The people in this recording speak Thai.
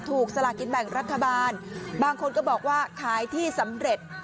สลากินแบ่งรัฐบาลบางคนก็บอกว่าขายที่สำเร็จ